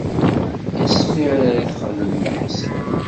Asmi ara yi-txedmeḍ leḥsan.